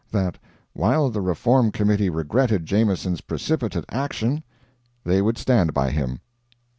That "while the Reform Committee regretted Jameson's precipitate action, they would stand by him."